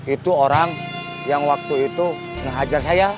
itu orang yang waktu itu menghajar saya